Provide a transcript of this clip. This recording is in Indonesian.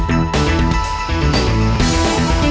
coba tarik aku lo